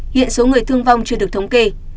hiện số người thương vong chưa được thống kê